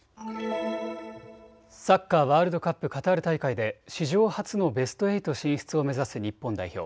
サッカーワールドカップカタール大会で史上初のベスト８進出を目指す日本代表。